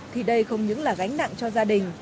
thì đây không những là gánh nặng cho gia đình